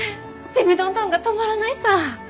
ちむどんどんが止まらないさ！